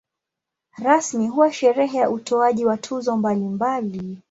Rasmi huwa sherehe za utoaji wa tuzo mbalimbali.